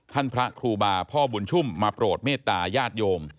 พระครูบาพ่อบุญชุ่มมาโปรดเมตตายาดโยม